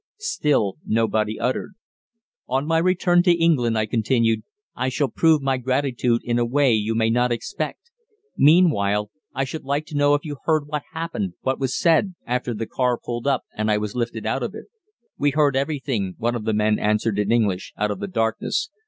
Still nobody uttered. "On my return to England," I continued, "I shall prove my gratitude in a way you may not expect. Meanwhile, I should like to know if you heard what happened, what was said, after the car pulled up and I was lifted out of it." "We heard everything," one of the men answered in English, out of the darkness.